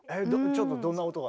ちょっとどんな音が。